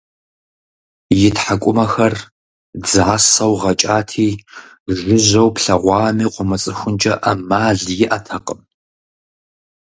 И тхьэкӀумэхэр дзасэу гъэкӀати, жыжьэу плъэгъуами, къыумыцӀыхункӀэ Ӏэмал иӀэтэкъым.